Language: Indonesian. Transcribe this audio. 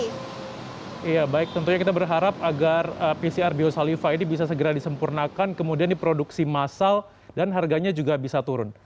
iya baik tentunya kita berharap agar pcr biosaliva ini bisa segera disempurnakan kemudian diproduksi massal dan harganya juga bisa turun